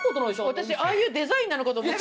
私ああいうデザインなのかと思った。